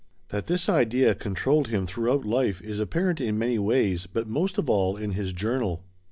That this idea controlled him throughout life, is apparent in many ways, but most of all in his journal.